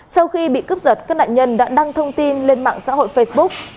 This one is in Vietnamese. sau khi bị cướp giật các nạn nhân đã đăng thông tin lên mạng xã hội facebook